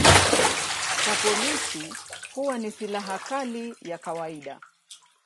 Kwa polisi huwa ni silaha kali ya kawaida.